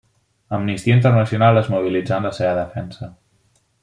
Amnistia Internacional es mobilitzà en la seva defensa.